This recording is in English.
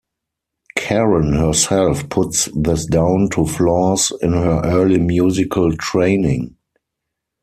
Caron herself puts this down to flaws in her early musical training.